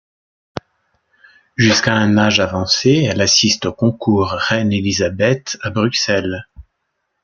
Jusqu'à un âge avancé, elle assiste aux Concours Reine Élisabeth à Bruxelles.